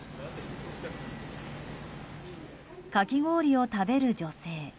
かき氷を食べる女性。